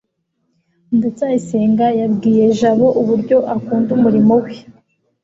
ndacyayisenga yabwiye jabo uburyo akunda umurimo we